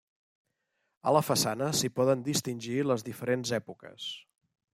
A la façana s'hi poden distingir les diferents èpoques.